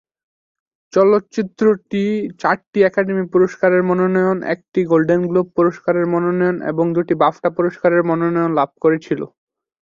চলচ্চিত্রটি চারটি একাডেমি পুরস্কারের মনোনয়ন, একটি গোল্ডেন গ্লোব পুরস্কারের মনোনয়ন এবং দুটি বাফটা পুরস্কারের মনোনয়ন লাভ করেছিল।